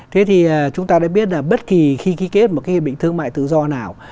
thế thì chúng ta đã biết là bất kỳ khi ký kết một cái hiệp định thương mại tự do nào